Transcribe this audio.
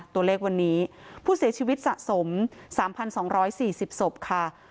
ตัวเลขวันนี้ผู้เสียชีวิตสะสมสามพันสองร้อยสี่สิบศพค่ะ